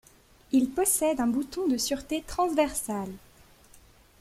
Il possède un bouton de sûreté transversale.